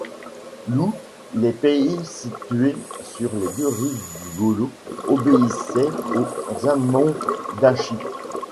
Ious les pays situés sur les deux rives du Golo obéissaient aux Amondaschi.